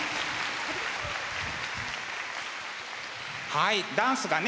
はいダンスがね